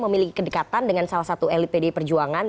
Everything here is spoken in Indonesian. memiliki kedekatan dengan salah satu elit pd pejuangan